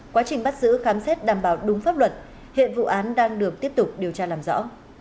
quá trình bắt giữ khám xét đảm bảo đúng pháp luật hiện vụ án đang được tiếp tục điều tra làm rõ